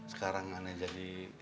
sekarang aneh jadi